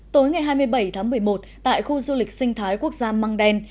tối ngày hai mươi bảy tháng một mươi một tại khu du lịch sinh thái quốc gia măng đen